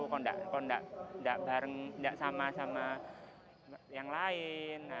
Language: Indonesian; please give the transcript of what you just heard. kalau enggak sama sama yang lain